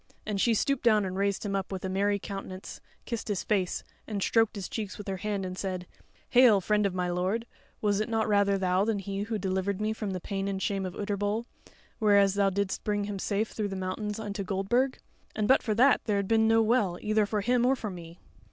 And she stooped down and raised him up, with a merry countenance kissed his face, and stroked his cheeks with her hand and said: "Hail, friend of my lord! Was it not rather thou than he who delivered me from the pain and shame of Utterbol, whereas thou didst bring him safe through the mountains unto Goldburg? And but for that there had been no Well, either for him or for me."